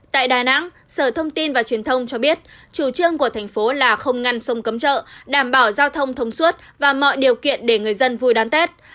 tại đà nẵng sở thông tin và truyền thông cho biết chủ trương của thành phố là không ngăn sông cấm chợ đảm bảo giao thông thông suốt và mọi điều kiện để người dân vui đón tết